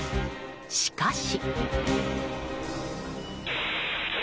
しかし。